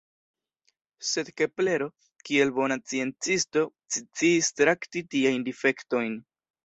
Sed Keplero, kiel bona sciencisto, sciis trakti tiajn difektojn.